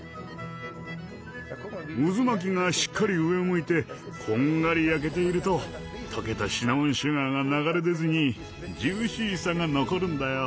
渦巻きがしっかり上を向いてこんがり焼けていると溶けたシナモンシュガーが流れ出ずにジューシーさが残るんだよ。